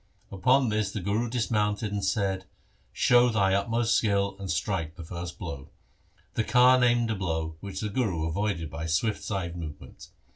Upon this the Guru dismounted and said, ' Show thy utmost skill and strike the first blow.' The Khan aimed a blow, which the Guru avoided by a swift side movement.